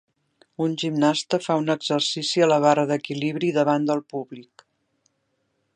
Un gimnasta fa un exercici a la barra d'equilibri davant del públic.